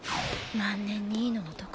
万年２位の男